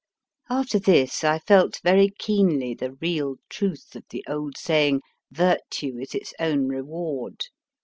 After this I felt very keenly the real truth of the old saying, Virtue is its own reward.